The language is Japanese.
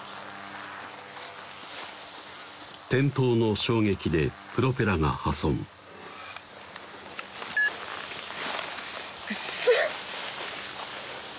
転倒の衝撃でプロペラが破損クソッ！